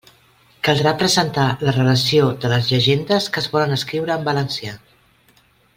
Caldrà presentar la relació de les llegendes que es volen escriure en valencià.